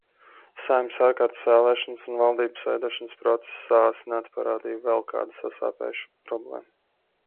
Saeimas ārkārtas vēlēšanas un valdības veidošanas process saasināti parādīja vēl kādu sasāpējušu problēmu.